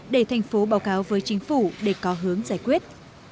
để thành phố báo cáo với chính phủ để có hướng giải quyết